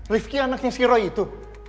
rifki anaknya si roy itu